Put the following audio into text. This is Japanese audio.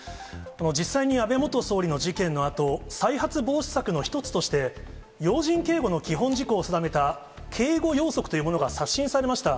実際に安倍元総理の事件のあと、再発防止策の一つとして、要人警護の基本事項を定めた警護要則というものが刷新されました。